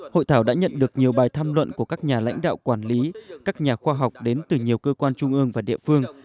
hội thảo đã nhận được nhiều bài tham luận của các nhà lãnh đạo quản lý các nhà khoa học đến từ nhiều cơ quan trung ương và địa phương